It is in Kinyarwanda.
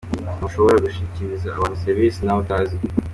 Ntushobora gushishikariza abantu serivisi nawe utazi.